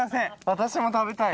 私も食べたい